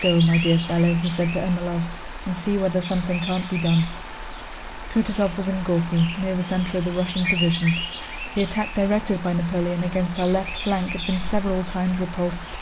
"Go, my dear fellow," he said to Ermólov, "and see whether something can't be done." Kutúzov was in Górki, near the center of the Russian position. The attack directed by Napoleon against our left flank had been several times repulsed.